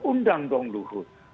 undang dong luhut